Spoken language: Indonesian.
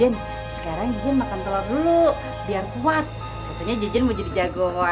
nah kek pindah ke rumah